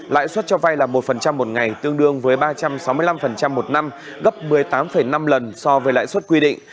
lãi suất cho vay là một một ngày tương đương với ba trăm sáu mươi năm một năm gấp một mươi tám năm lần so với lãi suất quy định